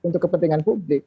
untuk kepentingan publik